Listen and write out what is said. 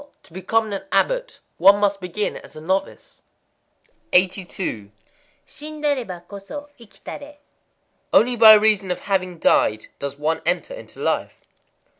_ To become an abbot one must begin as a novice. 82.—Shindaréba, koso ikitaré. Only by reason of having died does one enter into life.